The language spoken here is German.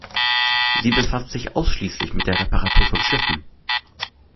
Sie befasst sich ausschließlich mit der Reparatur von Schiffen.